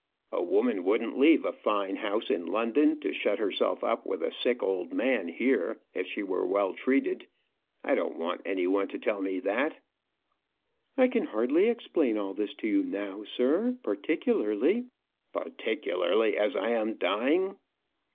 "A woman wouldn't leave a fine house in London, to shut herself up with a sick old man here, if she were well treated. I don't want any one to tell me that." "I can hardly explain all this to you now, sir; particularly " "Particularly as I am dying.